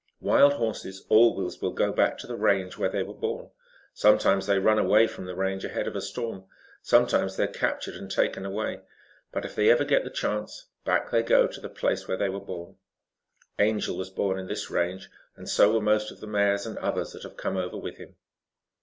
"Wild horses always will go back to the range where they were born. Sometimes they run away from the range ahead of a storm; sometimes they are captured and taken away. But if they ever get the chance, back they go to the place where they were born. Angel was born in this range, and so were most of the mares and others that have come over with him.